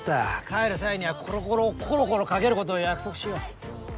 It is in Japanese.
帰る際にはコロコロをコロコロかけることを約束しよう。